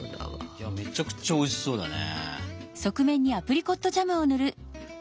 いやめちゃくちゃおいしそうだね。